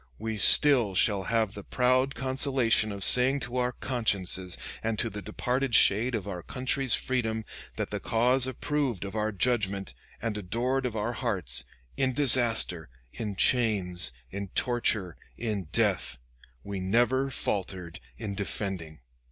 We still shall have the proud consolation of saying to our consciences, and to the departed shade of our country's freedom, that the cause approved of our judgment, and adored of our hearts, in disaster, in chains, in torture, in death, we never faltered in defending."